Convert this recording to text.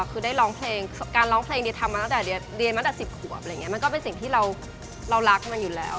คือได้ร้องเพลงการร้องเพลงเรียนมาตั้งแต่๑๐ขวบมันก็เป็นสิ่งที่เรารักมันอยู่แล้ว